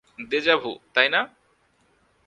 Déjà vu, তাই না?